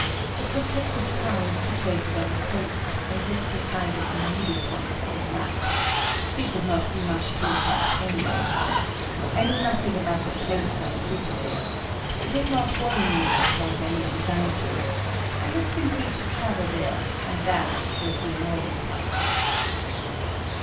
The prospective town is situated on the coast, and looked the size of a needle point on the map. It would not be much to look at anyway. I knew nothing about the place or the people there. It did not worry me or cause any anxiety. I had simply to travel there and that was the annoying part.